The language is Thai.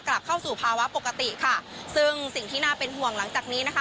กลับเข้าสู่ภาวะปกติค่ะซึ่งสิ่งที่น่าเป็นห่วงหลังจากนี้นะคะ